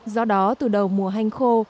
do đó từ đầu mùa hanh khô